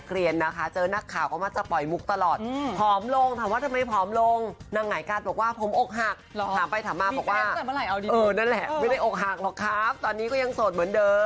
นี่นะคะราศุทธิ์นะคะก็อย่างที่ทราบกันค่ะครัวเป็นสายเคลียรนะคะเจอ